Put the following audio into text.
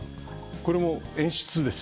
これも演出です。